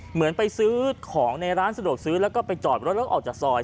เหมือนไปซื้อของในร้านสะดวกซื้อแล้วก็ไปจอดรถแล้วออกจากซอย